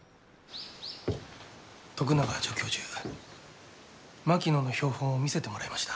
徳永助教授槙野の標本を見せてもらいました。